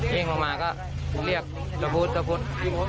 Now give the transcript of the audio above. วิ่งลงมาก็เรียกระบุ๊ดระบุ๊ด